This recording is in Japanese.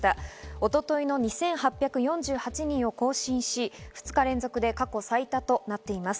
一昨日の２８４８人を更新し、２日連続で過去最多となっています。